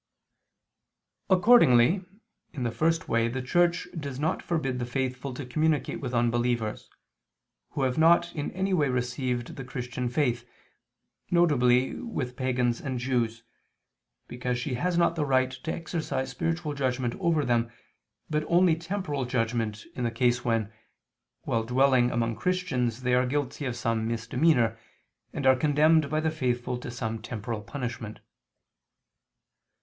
Accordingly, in the first way the Church does not forbid the faithful to communicate with unbelievers, who have not in any way received the Christian faith, viz. with pagans and Jews, because she has not the right to exercise spiritual judgment over them, but only temporal judgment, in the case when, while dwelling among Christians they are guilty of some misdemeanor, and are condemned by the faithful to some temporal punishment.